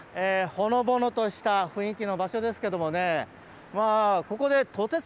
ほのぼのとした雰囲気の場所ですけどもね